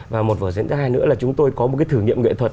và một vở diễn thứ hai nữa là chúng tôi có một cái thử nghiệm nghệ thuật